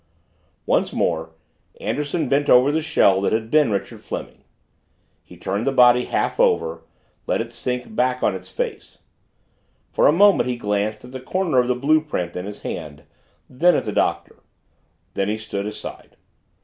Once more Anderson bent over the shell that had been Richard Fleming. He turned the body half over let it sink back on its face. For a moment he glanced at the corner of the blue print in his hand, then at the Doctor. Then he stood aside.